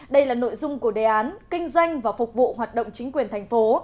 đây là nội dung của đề án kinh doanh và phục vụ hoạt động chính quyền thành phố